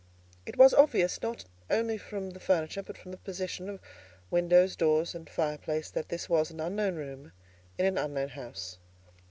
It was obvious, not only from the furniture, but from the position of windows, doors, and fireplace, that this was an unknown room in an unknown house.